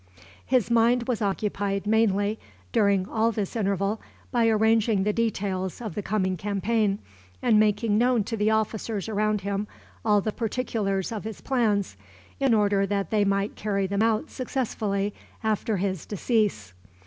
His mind was occupied mainly, during all this interval, by arranging the details of the coming campaign, and making known to the officers around him all the particulars of his plans, in order that they might carry them out successfully after his decease.